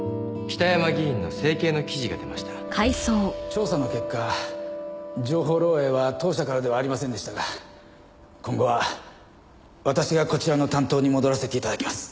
調査の結果情報漏えいは当社からではありませんでしたが今後は私がこちらの担当に戻らせていただきます。